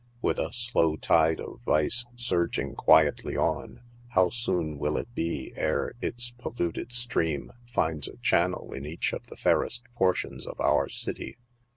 With a slow tide of vice surging quietly on, how soon will it be ere its polluted stream finds a channel in each of the fairest portions of our city